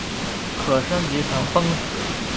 可升级成奔石。